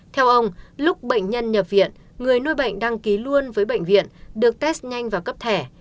theo ông lúc bệnh nhân nhập viện người nuôi bệnh đăng ký luôn với bệnh viện được test nhanh và cấp thẻ